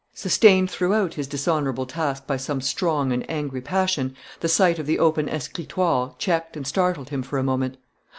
Sustained throughout his dishonorable task by some strong and angry passion, the sight of the open escritoire checked and startled him for a moment.